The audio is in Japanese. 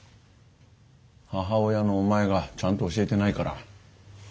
母親のお前がちゃんと教えてないから。